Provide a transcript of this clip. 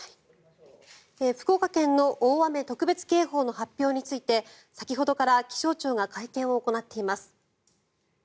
福岡県の大雨特別警報の発表について先ほどから気象庁が会見を行っています。